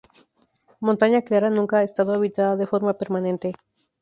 Montaña Clara nunca ha estado habitada de forma permanente.